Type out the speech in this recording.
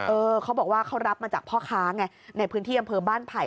เขาบอกว่าเขารับมาจากพ่อค้าไงในพื้นที่อำเภอบ้านไผ่